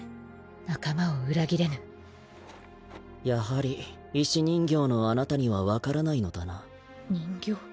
仲間を裏切れぬやはり石人形のあなたには分からない人形？